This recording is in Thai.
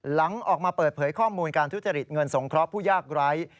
หลังออกมาเปิดเผยข้อมูลการทุจริตเงินสงเคราะห์ผู้ยากไร้